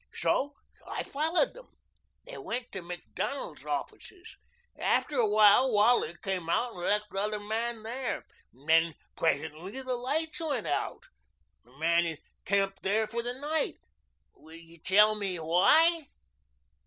So I followed them. They went to Macdonald's offices. After awhile Wally came out and left the other man there. Then presently the lights went out. The man is camped there for the night. Will you tell me why?"